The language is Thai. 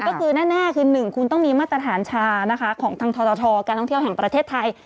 ก็คือแน่คือ๑คุณต้องมีมาตรฐานชานะคะของทางททการท่องเที่ยวแห่งประเทศไทย